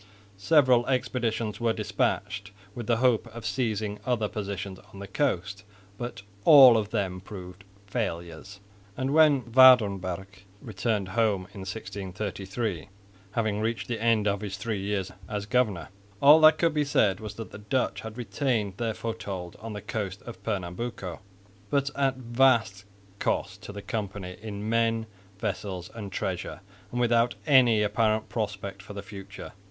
Several expeditions were despatched with the hope of seizing other positions on the coast, but all of them proved failures; and, when Waerdenburgh returned home in 1633, having reached the end of his three years' service as governor, all that could be said was that the Dutch had retained their foothold on the coast of Pernambuco, but at vast cost to the company in men, vessels and treasure, and without any apparent prospect for the future.